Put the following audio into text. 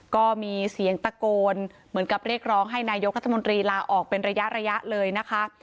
ก็มีเสียงตะโกนเหมือนกับเรียกร้องให้นายกรัฐมนตรีลาออกเป็นระยะเลยนะคะ